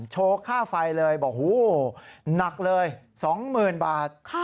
โชว์ค่าไฟเลยหนักเลย๒๐๐๐๐บาท